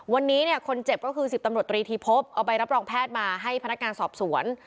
วันนี้เนี่ยคนเจ็บก็คือ๑๐ตำรวจตรีทีพบเอาใบรับรองแพทย์มาให้พนักงานสอบสวน